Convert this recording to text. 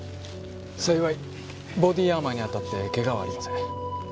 幸いボディーアーマーに当たってケガはありません。